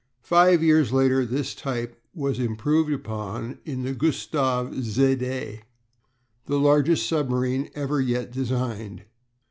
Five years later this type was improved upon in the Gustave Zédé, the largest submarine ever yet designed.